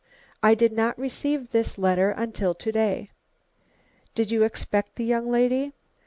I did not receive this letter until to day." "Did you expect the young lady?"